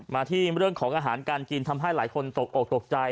มาที่เรื่องของอาหารการกินทำให้หลายคนตกออกตกใจ